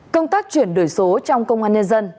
công tác chuyển đổi số trong công an nhân dân